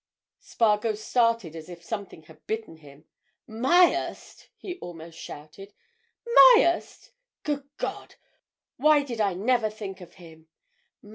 Spargo started as if something had bitten him. "Myerst!" he almost shouted. "Myerst! Good Lord!—why did I never think of him?